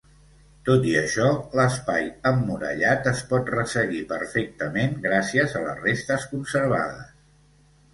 Tot i això l'espai emmurallat es pot resseguir perfectament gràcies a les restes conservades.